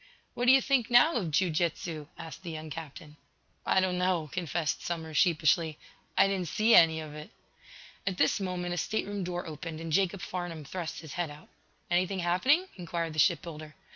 "What do you think, now, of jiu jitsu?" asked the young captain. "I don't know," confessed Somers, sheepishly. "I didn't see any of it." At this moment a stateroom door opened and Jacob Farnum thrust his head out. "Anything happening?" inquired the ship builder.